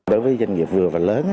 đối với doanh nghiệp vừa và lớn